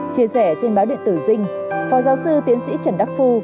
chia sẻ trên báo điện tử dinh phó giáo sư tiến sĩ trần đắc phu